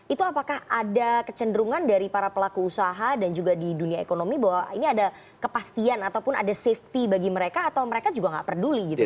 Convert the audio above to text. itu apakah ada kecenderungan dari para pelaku usaha dan juga di dunia ekonomi bahwa ini ada kepastian ataupun ada safety bagi mereka atau mereka juga nggak peduli gitu